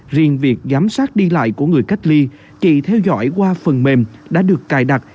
riêng việc giám sát đi lại của người cách ly chị theo dõi qua phần mềm đã được cài đặt